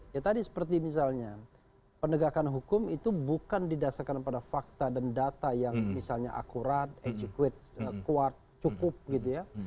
ya tadi seperti misalnya penegakan hukum itu bukan didasarkan pada fakta dan data yang misalnya akurat equid kuat cukup gitu ya